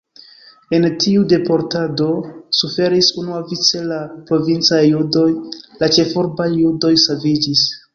En tiu deportado suferis unuavice la provincaj judoj, la ĉefurbaj judoj saviĝis.